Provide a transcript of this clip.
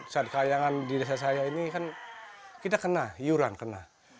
saat kayangan di desa saya ini kan kita kena iuran kena